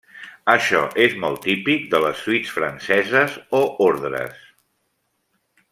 Això és molt típic de les suites franceses o ordres.